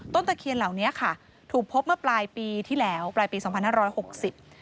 ตะเคียนเหล่านี้ค่ะถูกพบเมื่อปลายปีที่แล้วปลายปีสองพันห้าร้อยหกสิบ